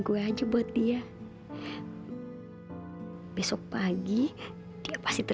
kamu betul betul baik